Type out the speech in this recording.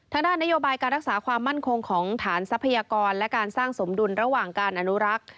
นโยบายการรักษาความมั่นคงของฐานทรัพยากรและการสร้างสมดุลระหว่างการอนุรักษ์